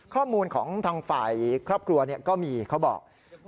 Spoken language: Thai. ข้อมูลของทางฝ่ายครอบครัวก็มีเขาบอก